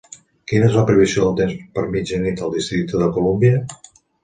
Quina és la previsió del temps per mitjanit al districte de Columbia?